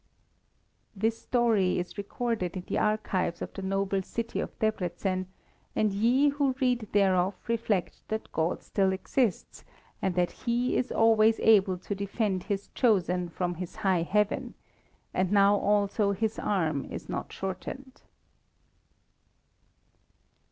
This story is recorded in the archives of the noble city of Debreczen, and ye who read thereof reflect that God still exists, and that He is always able to defend His chosen from His high heaven, and now also His arm is not shortened.